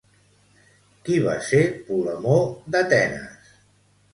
Qui va ser Polemó d'Atenes?